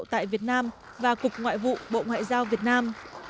tại việt nam và cục ngoại vụ bộ ngoại giao việt nam